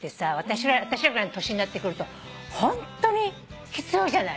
私ぐらいの年になってくるとホントに必要じゃない。